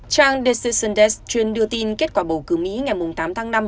trang decision desk chuyên đưa tin kết quả bầu cử mỹ ngày tám tháng năm